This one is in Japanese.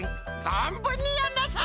ぞんぶんにやんなさい。